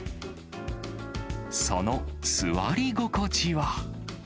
その座り心地は。